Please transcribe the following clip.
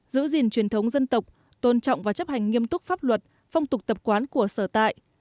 giữ gìn truyền thống dân tộc tôn trọng và chấp hành nghiêm túc pháp luật phong tục tập quán của sở tại